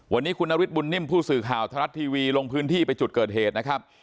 วันนี้คุณนฤทธบุญนิ่มผู้สื่อข่าวทรัฐทีวีลงพื้นที่ไปจุดเกิดเหตุนะครับ